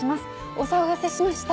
お騒がせしました」